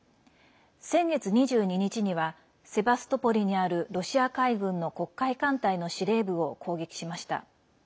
先月２２日にはセバストポリにあるロシア海軍の黒海艦隊の司令部を攻撃しました。